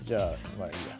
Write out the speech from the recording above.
まあいいや。